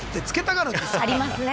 ありますね